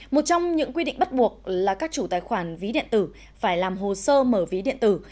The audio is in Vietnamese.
một trong những quy định bắt buộc là các chủ tài khoản ví điện tử phải làm hồ sơ mở ví điện tử